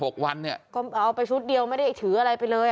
ก็เอาไปชุดเดียวไม่ได้ถืออะไรไปเลย